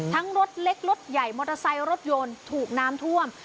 รถเล็กรถใหญ่มอเตอร์ไซค์รถยนต์ถูกน้ำท่วม